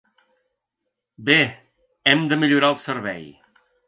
Bé, hem de millorar el servei.